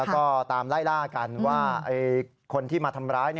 แล้วก็ตามไล่ล่ากันว่าคนที่มาทำร้าย